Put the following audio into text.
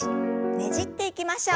ねじっていきましょう。